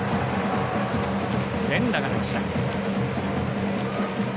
連打が出ました。